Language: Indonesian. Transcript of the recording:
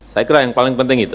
saya kira yang paling penting itu